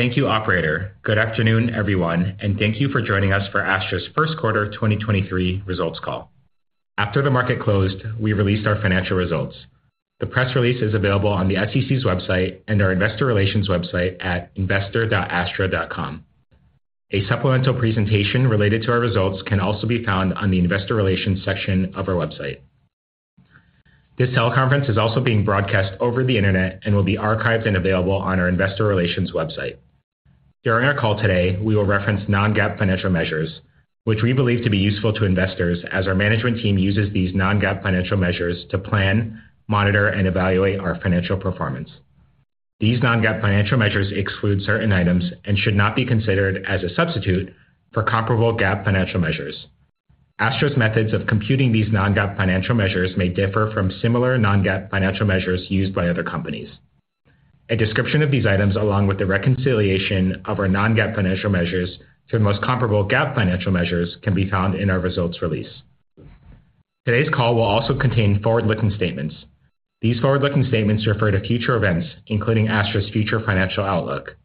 Thank you, Operator. Good afternoon, everyone, and thank you for joining us for Astra's first quarter 2023 results call. After the market closed, we released our financial results. The press release is available on the SEC's website and our investor relations website at investor.astra.com. A supplemental presentation related to our results can also be found on the investor relations section of our website. This teleconference is also being broadcast over the Internet and will be archived and available on our investor relations website. During our call today, we will reference non-GAAP financial measures, which we believe to be useful to investors as our management team uses these non-GAAP financial measures to plan, monitor, and evaluate our financial performance. These non-GAAP financial measures exclude certain items and should not be considered as a substitute for comparable GAAP financial measures. Astra's methods of computing these non-GAAP financial measures may differ from similar non-GAAP financial measures used by other companies. A description of these items, along with the reconciliation of our non-GAAP financial measures to the most comparable GAAP financial measures, can be found in our results release. Today's call will also contain forward-looking statements. These forward-looking statements refer to future events, including Astra's future financial outlook.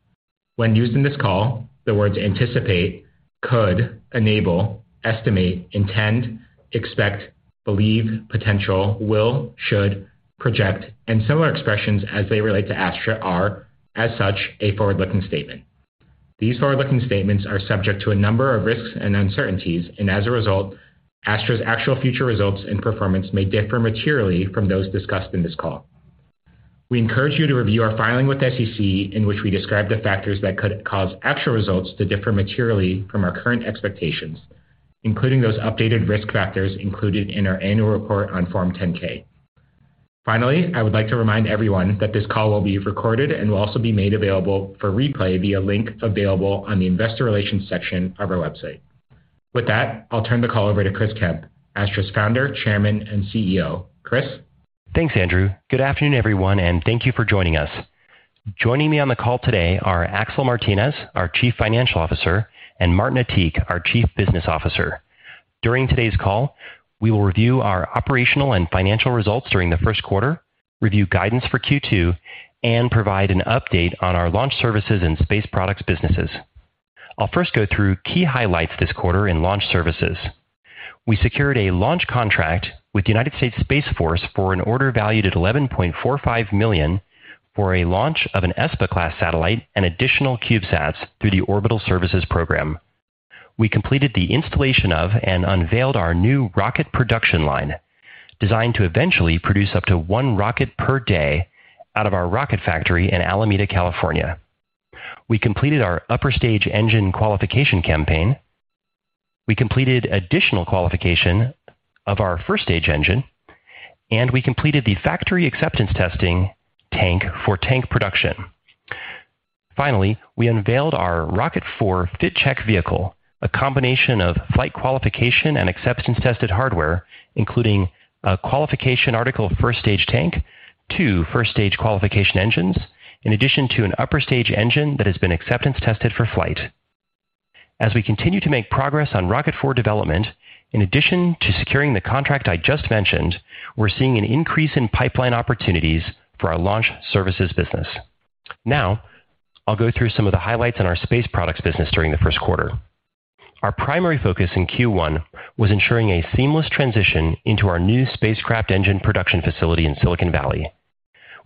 When used in this call, the words anticipate, could, enable, estimate, intend, expect, believe, potential, will, should, project, and similar expressions as they relate to Astra are, as such, a forward-looking statement. These forward-looking statements are subject to a number of risks and uncertainties, and as a result, Astra's actual future results and performance may differ materially from those discussed in this call. We encourage you to review our filing with SEC in which we describe the factors that could cause actual results to differ materially from our current expectations, including those updated risk factors included in our annual report on Form 10-K. I would like to remind everyone that this call will be recorded and will also be made available for replay via link available on the investor relations section of our website. With that, I'll turn the call over to Chris Kemp, Astra's Founder, Chairman, and CEO. Chris. Thanks, Andrew. Good afternoon, everyone, and thank you for joining us. Joining me on the call today are Axel Martinez, our Chief Financial Officer, and Martin Attiq, our Chief Business Officer. During today's call, we will review our operational and financial results during the first quarter, review guidance for Q2, and provide an update on our launch services and space products businesses. I'll first go through key highlights this quarter in launch services. We secured a launch contract with United States Space Force for an order valued at $11.45 million for a launch of an ESPA-class satellite and additional CubeSats through the Orbital Services Program. We completed the installation of and unveiled our new rocket production line, designed to eventually produce up to one rocket per day out of our rocket factory in Alameda, California. We completed our upper stage engine qualification campaign. We completed additional qualification of our first stage engine, and we completed the factory acceptance testing tank for tank production. Finally, we unveiled our Rocket 4.0 fit check vehicle, a combination of flight qualification and acceptance tested hardware, including a qualification article first stage tank, two first stage qualification engines, in addition to an upper stage engine that has been acceptance tested for flight. As we continue to make progress on Rocket 4.0 development, in addition to securing the contract I just mentioned, we're seeing an increase in pipeline opportunities for our launch services business. Now, I'll go through some of the highlights in our space products business during the first quarter. Our primary focus in Q1 was ensuring a seamless transition into our new Spacecraft Engine production facility in Silicon Valley.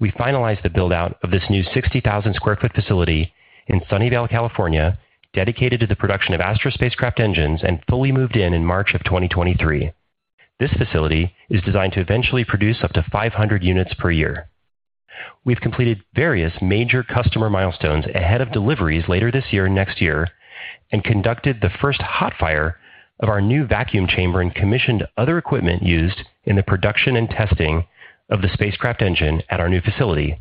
We finalized the build-out of this new 60,000 square foot facility in Sunnyvale, California, dedicated to the production of Astra Spacecraft Engines and fully moved in in March of 2023. This facility is designed to eventually produce up to 500 units per year. We've completed various major customer milestones ahead of deliveries later this year and next year, and conducted the first hot fire of our new vacuum chamber and commissioned other equipment used in the production and testing of the Spacecraft Engine at our new facility.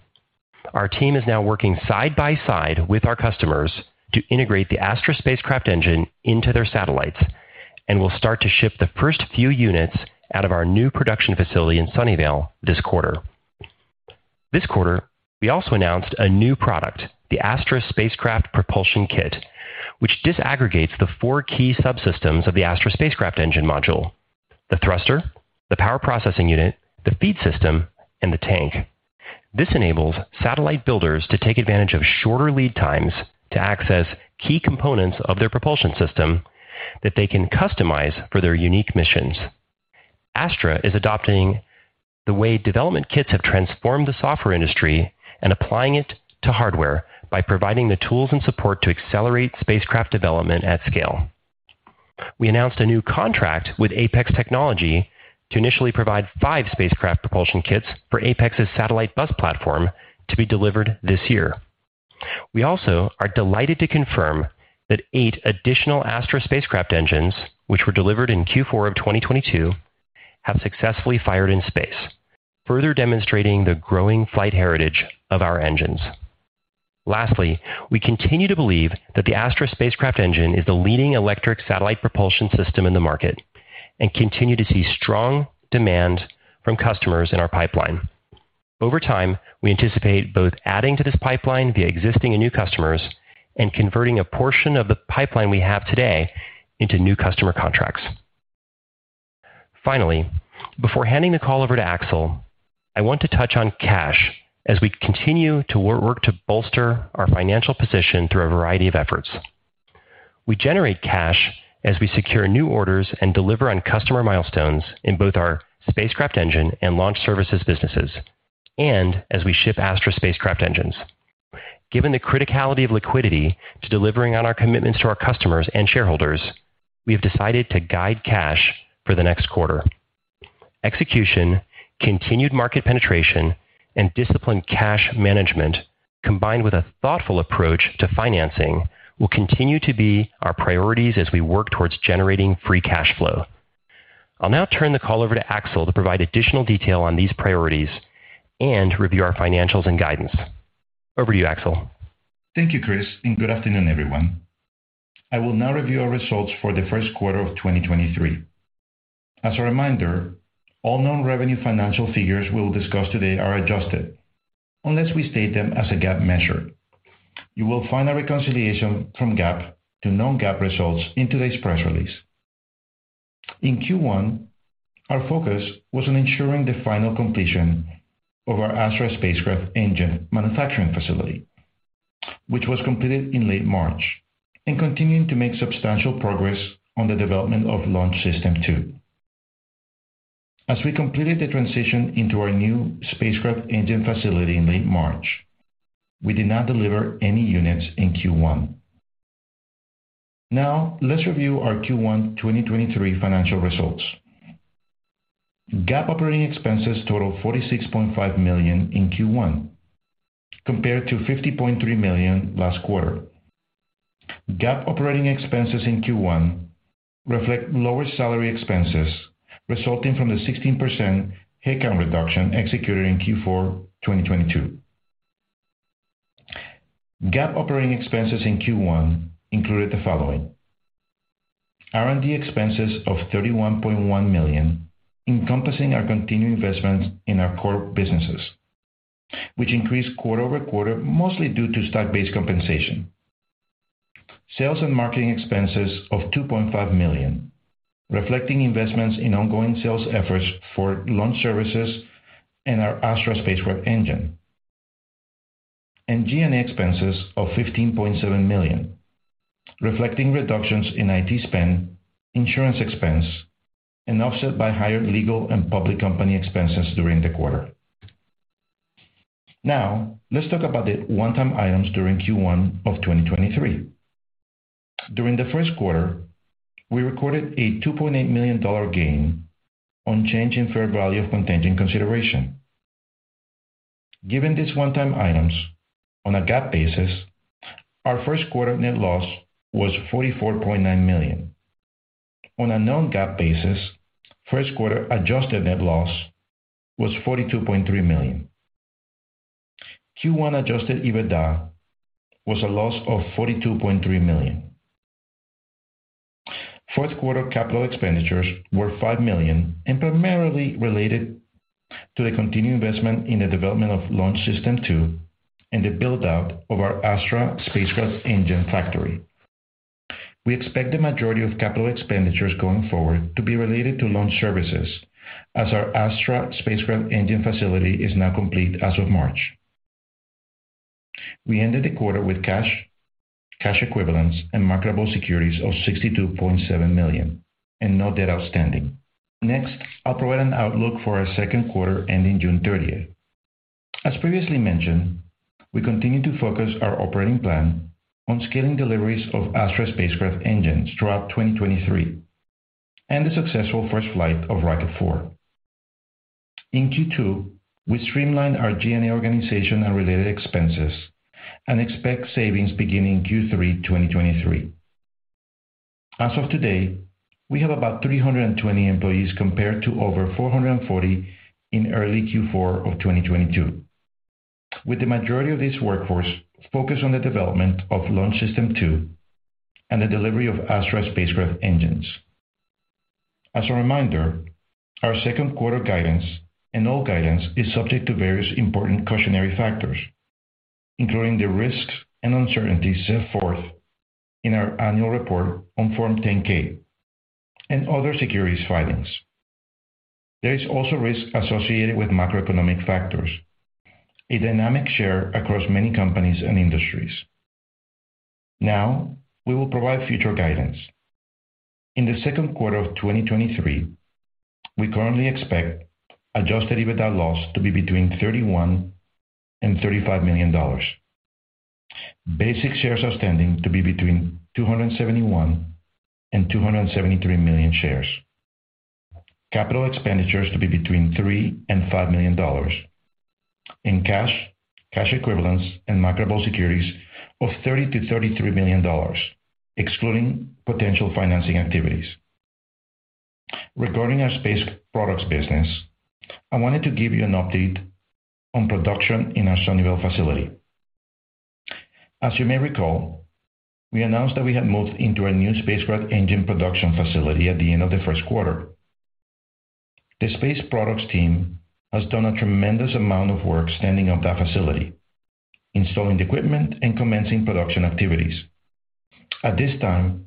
Our team is now working side by side with our customers to integrate the Astra Spacecraft Engine into their satellites, and we'll start to ship the first few units out of our new production facility in Sunnyvale this quarter. This quarter, we also announced a new product, the Astra Spacecraft Propulsion Kit, which disaggregates the four key subsystems of the Astra Spacecraft Engine module: the thruster, the power processing unit, the feed system, and the tank. This enables satellite builders to take advantage of shorter lead times to access key components of their propulsion system that they can customize for their unique missions. Astra is adopting the way development kits have transformed the software industry and applying it to hardware by providing the tools and support to accelerate spacecraft development at scale. We announced a new contract with Apex Technology to initially provide five spacecraft propulsion kits for Apex's satellite bus platform to be delivered this year. We also are delighted to confirm that eight additional Astra Spacecraft Engines, which were delivered in Q4 of 2022, have successfully fired in space, further demonstrating the growing flight heritage of our engines. Lastly, we continue to believe that the Astra Spacecraft Engine is the leading electric satellite propulsion system in the market and continue to see strong demand from customers in our pipeline. Over time, we anticipate both adding to this pipeline via existing and new customers and converting a portion of the pipeline we have today into new customer contracts. Finally, before handing the call over to Axel, I want to touch on cash as we continue to work to bolster our financial position through a variety of efforts. We generate cash as we secure new orders and deliver on customer milestones in both our spacecraft engine and launch services businesses and as we ship Astra Spacecraft Engines. Given the criticality of liquidity to delivering on our commitments to our customers and shareholders, we have decided to guide cash for the next quarter. Execution, continued market penetration, and disciplined cash management, combined with a thoughtful approach to financing, will continue to be our priorities as we work towards generating free cash flow. I'll now turn the call over to Axel to provide additional detail on these priorities and review our financials and guidance. Over to you, Axel. Thank you, Chris. Good afternoon, everyone. I will now review our results for the first quarter of 2023. As a reminder, all non-revenue financial figures we'll discuss today are adjusted unless we state them as a GAAP measure. You will find a reconciliation from GAAP to non-GAAP results in today's press release. In Q1, our focus was on ensuring the final completion of our Astra Spacecraft Engine manufacturing facility, which was completed in late March, and continuing to make substantial progress on the development of Launch System 2. As we completed the transition into our new Spacecraft Engine facility in late March, we did not deliver any units in Q1. Now let's review our Q1 2023 financial results. GAAP operating expenses totaled $46.5 million in Q1 compared to $50.3 million last quarter. GAAP operating expenses in Q1 reflect lower salary expenses resulting from the 16% headcount reduction executed in Q4 2022. GAAP operating expenses in Q1 included the following: R&D expenses of $31.1 million encompassing our continuing investments in our core businesses, which increased quarter-over-quarter mostly due to stock-based compensation. Sales and marketing expenses of $2.5 million, reflecting investments in ongoing sales efforts for launch services and our Astra Spacecraft Engine. G&A expenses of $15.7 million, reflecting reductions in IT spend, insurance expense, and offset by higher legal and public company expenses during the quarter. Now let's talk about the one-time items during Q1 of 2023. During the first quarter, we recorded a $2.8 million gain on change in fair value of contingent consideration. Given these one-time items, on a GAAP basis, our first quarter net loss was $44.9 million. On a non-GAAP basis, first quarter adjusted net loss was $42.3 million. Q1 adjusted EBITDA was a loss of $42.3 million. First quarter capital expenditures were $5 million and primarily related to the continued investment in the development of Launch System 2 and the build-out of our Astra Spacecraft Engine factory. We expect the majority of capital expenditures going forward to be related to launch services as our Astra Spacecraft Engine facility is now complete as of March. We ended the quarter with cash equivalents, and marketable securities of $62.7 million and no debt outstanding. Next, I'll provide an outlook for our second quarter ending June 30th. As previously mentioned, we continue to focus our operating plan on scaling deliveries of Astra Spacecraft Engines throughout 2023 and the successful first flight of Rocket 4.0. In Q2, we streamlined our G&A organization and related expenses and expect savings beginning Q3 2023. As of today, we have about 320 employees compared to over 440 in early Q4 of 2022, with the majority of this workforce focused on the development of Launch System 2 and the delivery of Astra Spacecraft Engines. As a reminder, our second quarter guidance and all guidance is subject to various important cautionary factors, including the risks and uncertainties set forth in our annual report on Form 10-K and other securities filings. There is also risk associated with macroeconomic factors, a dynamic share across many companies and industries. Now, we will provide future guidance. In the second quarter of 2023, we currently expect adjusted EBITDA loss to be between $31 million and $35 million. Basic shares outstanding to be between 271 million and 273 million shares. Capital expenditures to be between $3 million and $5 million. In cash equivalents and marketable securities of $30 million to $33 million, excluding potential financing activities. Regarding our space products business, I wanted to give you an update on production in our Sunnyvale facility. As you may recall, we announced that we had moved into our new Spacecraft Engine production facility at the end of the first quarter. The space products team has done a tremendous amount of work standing up that facility, installing the equipment and commencing production activities. At this time,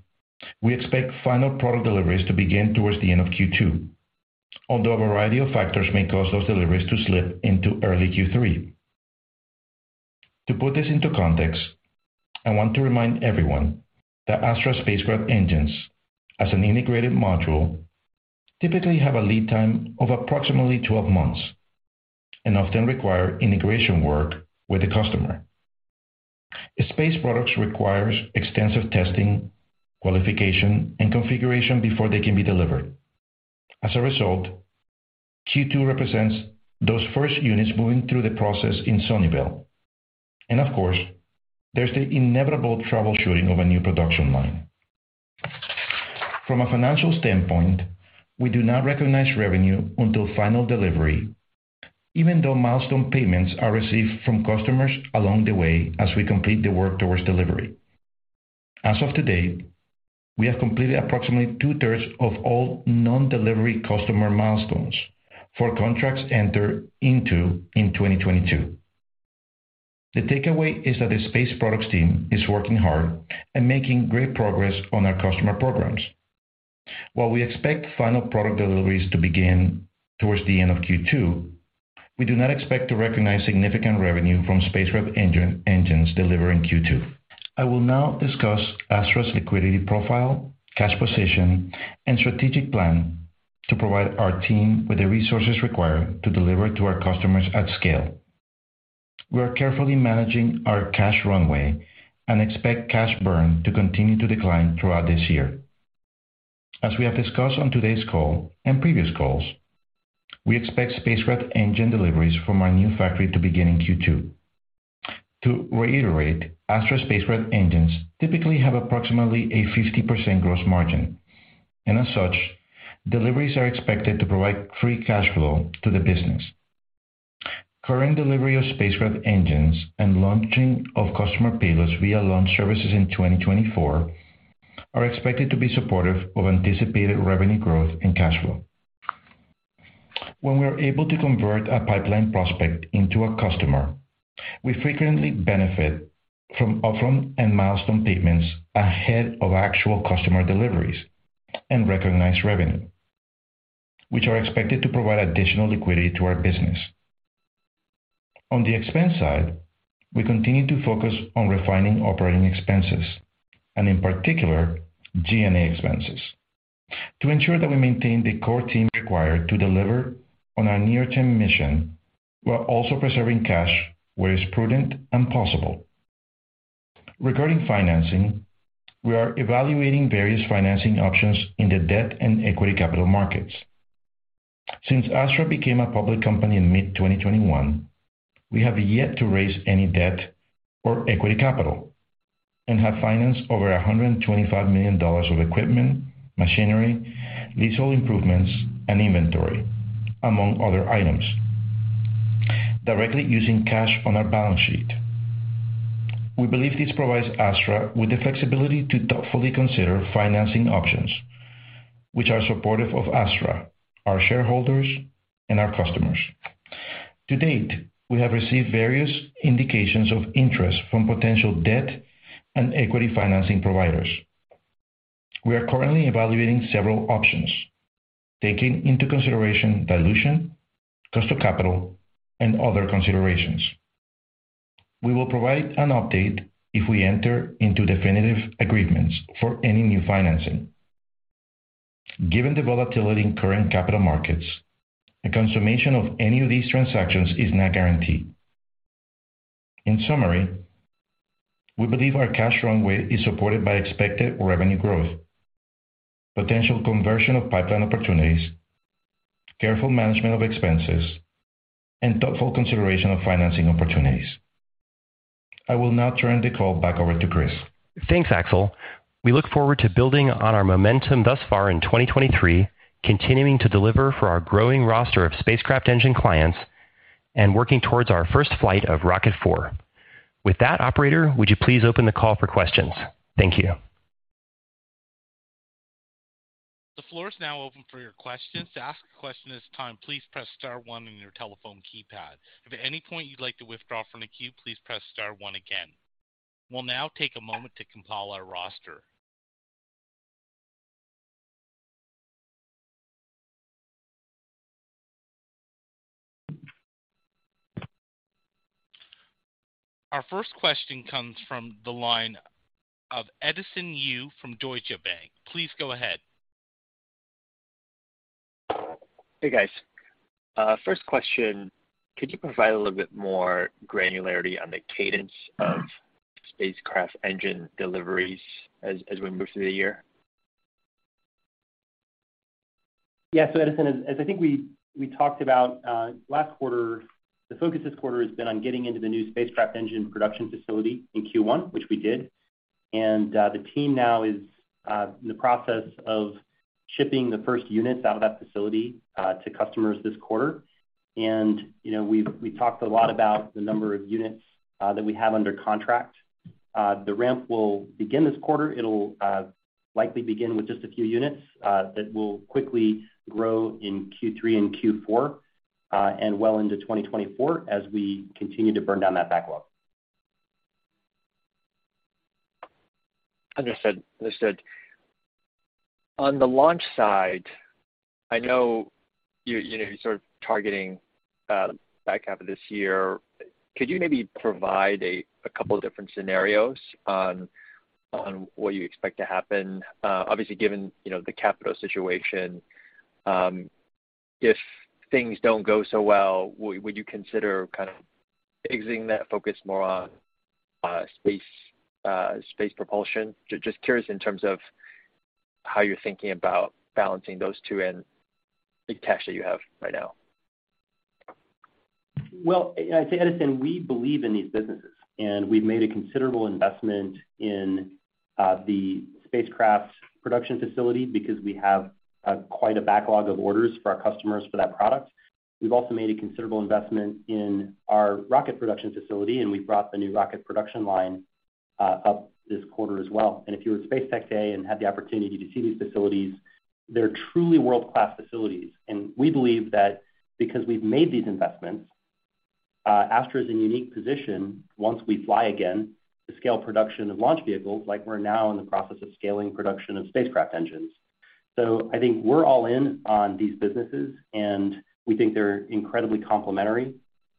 we expect final product deliveries to begin towards the end of Q2, although a variety of factors may cause those deliveries to slip into early Q3. To put this into context, I want to remind everyone that Astra Spacecraft Engines as an integrated module typically have a lead time of approximately 12 months and often require integration work with the customer. Space products requires extensive testing, qualification, and configuration before they can be delivered. As a result, Q2 represents those first units moving through the process in Sunnyvale. Of course, there's the inevitable troubleshooting of a new production line. From a financial standpoint, we do not recognize revenue until final delivery, even though milestone payments are received from customers along the way as we complete the work towards delivery. As of to date, we have completed approximately 2/3 of all non-delivery customer milestones for contracts entered into in 2022. The takeaway is that the space products team is working hard and making great progress on our customer programs. While we expect final product deliveries to begin towards the end of Q2, we do not expect to recognize significant revenue from Astra Spacecraft Engine, engines delivered in Q2. I will now discuss Astra's liquidity profile, cash position, and strategic plan to provide our team with the resources required to deliver to our customers at scale. We are carefully managing our cash runway and expect cash burn to continue to decline throughout this year. As we have discussed on today's call and previous calls, we expect Spacecraft Engine deliveries from our new factory to begin in Q2. To reiterate, Astra Spacecraft Engines typically have approximately a 50% gross margin. As such, deliveries are expected to provide free cash flow to the business. Current delivery of Spacecraft Engines and launching of customer payloads via launch services in 2024 are expected to be supportive of anticipated revenue growth and cash flow. When we are able to convert a pipeline prospect into a customer, we frequently benefit from upfront and milestone payments ahead of actual customer deliveries and recognize revenue, which are expected to provide additional liquidity to our business. On the expense side, we continue to focus on refining operating expenses and in particular G&A expenses to ensure that we maintain the core team required to deliver on our near-term mission, while also preserving cash where it's prudent and possible. Regarding financing, we are evaluating various financing options in the debt and equity capital markets. Since Astra became a public company in mid-2021, we have yet to raise any debt or equity capital and have financed over $125 million of equipment, machinery, leasehold improvements, and inventory, among other items, directly using cash on our balance sheet. We believe this provides Astra with the flexibility to thoughtfully consider financing options which are supportive of Astra, our shareholders, and our customers. To date, we have received various indications of interest from potential debt and equity financing providers. We are currently evaluating several options, taking into consideration dilution, cost of capital, and other considerations. We will provide an update if we enter into definitive agreements for any new financing. Given the volatility in current capital markets, the consummation of any of these transactions is not guaranteed. In summary, we believe our cash runway is supported by expected revenue growth, potential conversion of pipeline opportunities, careful management of expenses, and thoughtful consideration of financing opportunities. I will now turn the call back over to Chris. Thanks, Axel. We look forward to building on our momentum thus far in 2023, continuing to deliver for our growing roster of spacecraft engine clients and working towards our first flight of Rocket 4.0. With that, operator, would you please open the call for questions? Thank you. The floor is now open for your questions. To ask a question at this time, please press star one on your telephone keypad. If at any point you'd like to withdraw from the queue, please press star one again. We'll now take a moment to compile our roster. Our first question comes from the line of Edison Yu from Deutsche Bank. Please go ahead. Hey, guys. First question, could you provide a little bit more granularity on the cadence of Astra Spacecraft Engine deliveries as we move through the year? Yeah. Edison as I think we talked about last quarter, the focus this quarter has been on getting into the new Astra Spacecraft Engine production facility in Q1, which we did. The team now is in the process of shipping the first units out of that facility to customers this quarter. You know, we've talked a lot about the number of units that we have under contract. The ramp will begin this quarter. It'll likely begin with just a few units that will quickly grow in Q3 and Q4. Well into 2024 as we continued to burn down that backlog. Understood. On the launch side, I know you know, you're sort of targeting, back half of this year. Could you maybe provide a couple of different scenarios on what you expect to happen? Obviously, given, you know, the capital situation, if things don't go so well, would you consider kind of exiting that focus more on space propulsion? Just curious in terms of how you're thinking about balancing those two and the cash that you have right now. Well, I'd say, Edison, we believe in these businesses, and we've made a considerable investment in the spacecraft production facility because we have quite a backlog of orders for our customers for that product. We've also made a considerable investment in our rocket production facility, and we brought the new rocket production line up this quarter as well. If you were at Spacetech Day and had the opportunity to see these facilities, they're truly world-class facilities. We believe that because we've made these investments, Astra is in unique position once we fly again to scale production of launch vehicles like we're now in the process of scaling production of spacecraft engines. I think we're all in on these businesses, and we think they're incredibly complementary.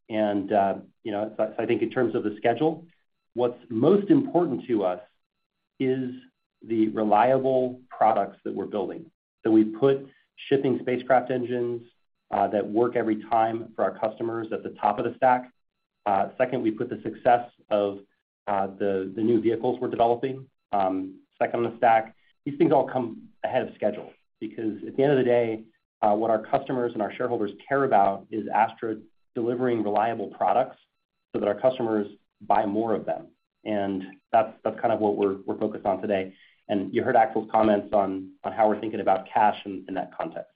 You know, I think in terms of the schedule, what's most important to us is the reliable products that we're building. We put shipping spacecraft engines that work every time for our customers at the top of the stack. Second, we put the success of the new vehicles we're developing second on the stack. These things all come ahead of schedule because at the end of the day, what our customers and our shareholders care about is Astra delivering reliable products so that our customers buy more of them. That's kind of what we're focused on today. You heard Axel's comments on how we're thinking about cash in that context.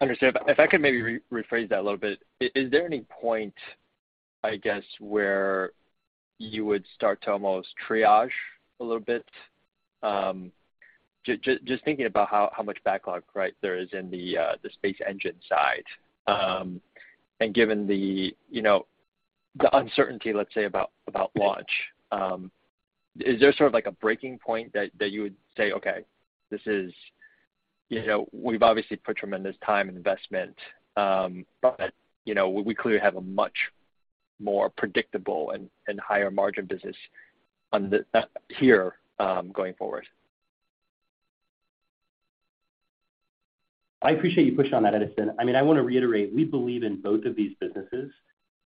Understood. If I could maybe rephrase that a little bit. Just thinking about how much backlog, right, there is in the space engine side. Given the, you know, the uncertainty, let's say, about launch, is there sort of like a breaking point that you would say, "Okay, this is. You know, we've obviously put tremendous time and investment, you know, we clearly have a much more predictable and higher margin business on the here, going forward"? I appreciate you pushing on that, Edison. I mean, I wanna reiterate, we believe in both of these businesses.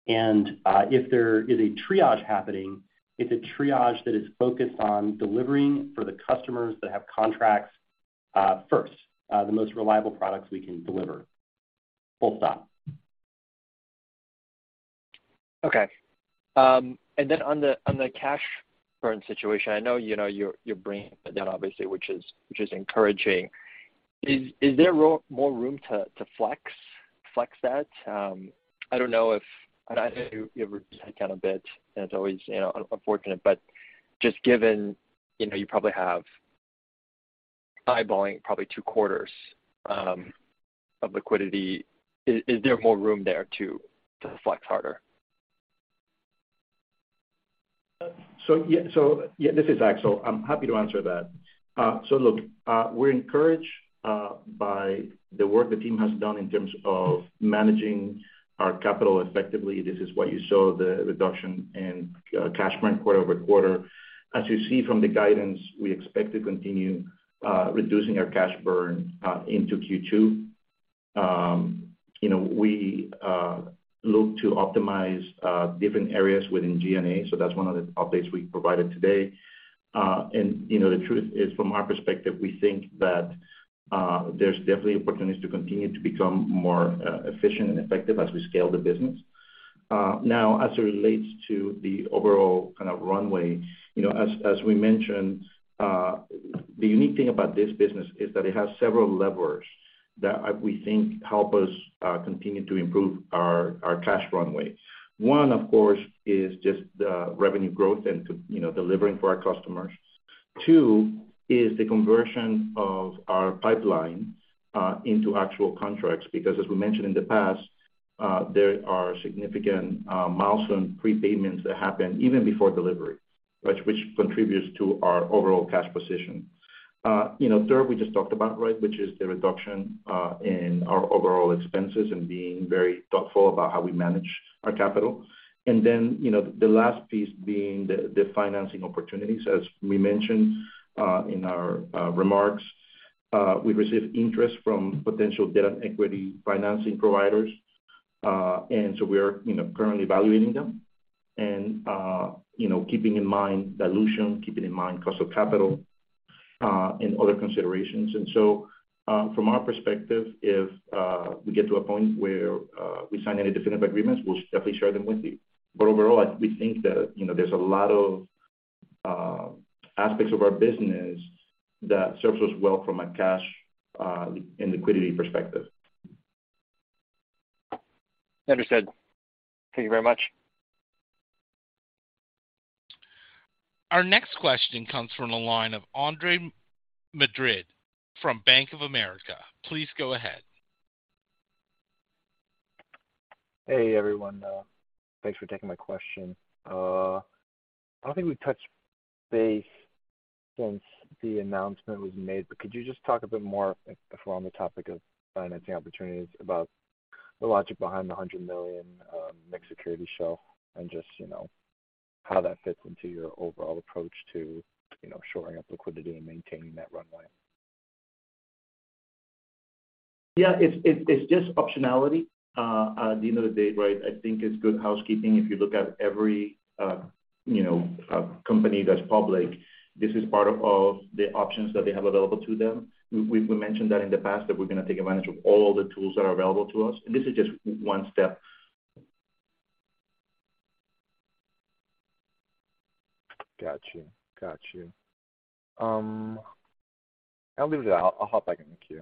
If there is a triage happening, it's a triage that is focused on delivering for the customers that have contracts, first, the most reliable products we can deliver. Full stop. Okay. On the cash burn situation, I know, you know, you're bringing that down, obviously, which is encouraging. Is there more room to flex that? I know you reduced headcount a bit, and it's always, you know, unfortunate. Just given, you know, you probably have eyeballing probably two quarters of liquidity, is there more room there to flex harder? This is Axel. I'm happy to answer that. Look, we're encouraged by the work the team has done in terms of managing our capital effectively. This is why you saw the reduction in cash burn quarter-over-quarter. As you see from the guidance, we expect to continue reducing our cash burn into Q2. You know, we look to optimize different areas within G&A, so that's one of the updates we provided today. You know, the truth is, from our perspective, we think that there's definitely opportunities to continue to become more efficient and effective as we scale the business. Now, as it relates to the overall kind of runway, you know, as we mentioned, the unique thing about this business is that it has several levers that we think help us continue to improve our cash runway. One, of course, is just the revenue growth and to, you know, delivering for our customers. Two is the conversion of our pipeline into actual contracts, because as we mentioned in the past, there are significant milestone prepayments that happen even before delivery, which contributes to our overall cash position. You know, third, we just talked about, right, which is the reduction in our overall expenses and being very thoughtful about how we manage our capital. Then, you know, the last piece being the financing opportunities. As we mentioned, in our remarks, we received interest from potential debt and equity financing providers. We are, you know, currently evaluating them and, you know, keeping in mind dilution, keeping in mind cost of capital, and other considerations. From our perspective, if we get to a point where we sign any definitive agreements, we'll definitely share them with you. Overall, we think that, you know, there's a lot of aspects of our business that serves us well from a cash, and liquidity perspective. Understood. Thank you very much. Our next question comes from the line of Andre Madrid from Bank of America. Please go ahead. Hey, everyone. Thanks for taking my question. I don't think we've touched base since the announcement was made, but could you just talk a bit more, if we're on the topic of financing opportunities, about the logic behind the $100 million mixed security show and just, you know, how that fits into your overall approach to, you know, shoring up liquidity and maintaining that runway? Yeah, it's just optionality. At the end of the day, right, I think it's good housekeeping. If you look at every, you know, company that's public, this is part of the options that they have available to them. We've mentioned that in the past, that we're gonna take advantage of all the tools that are available to us. This is just one step. Got you. I'll leave it at that. I'll hop back in the queue.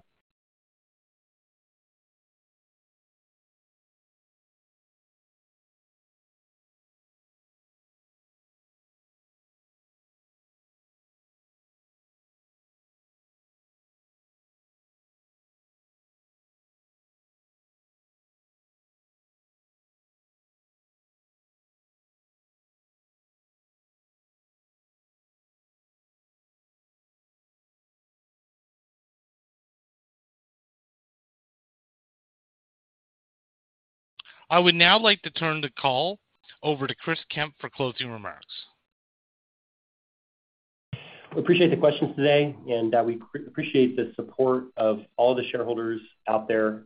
I would now like to turn the call over to Chris Kemp for closing remarks. We appreciate the questions today, and, we appreciate the support of all the shareholders out there.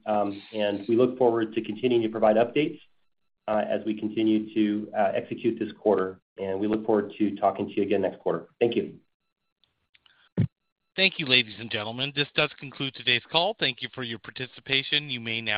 We look forward to continuing to provide updates, as we continue to execute this quarter. We look forward to talking to you again next quarter. Thank you. Thank you, ladies and gentlemen. This does conclude today's call. Thank you for your participation. You may now disconnect.